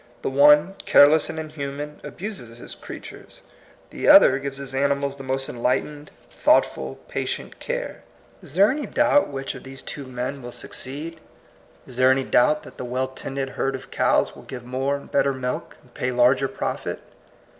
The one, careless and inhuman, abuses his creatures. The other gives his animals the most enlightened, thoughtful, patient care. Is there any doubt which of these two 16 THE COMING PEOPLE, men will succeed? Is there any doubt that the well tended herd of cows will give more and better milk, and pay larger profit?